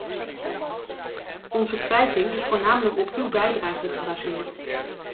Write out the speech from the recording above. Onze kwijting is voornamelijk op uw bijdragen gebaseerd.